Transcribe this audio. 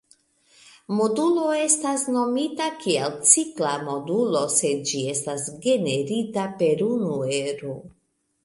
Modulo estas nomita kiel cikla modulo se ĝi estas generita per unu ero.